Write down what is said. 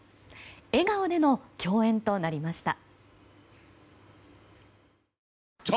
笑顔での共演となりました。